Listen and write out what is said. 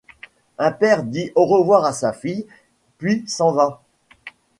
Un père dit au-revoir à sa fille, puis s'en va.